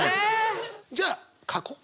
じゃあ書こう。